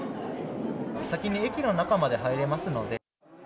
先に駅の中まで入れますので。